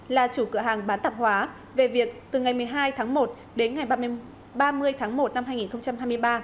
là chủ cửa hàng bán tạp hóa về việc từ ngày một mươi hai tháng một đến ngày ba mươi tháng một năm hai nghìn hai mươi ba